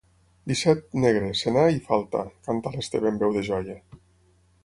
Disset, negre, senar i falta —canta l'Esteve amb veu de joia.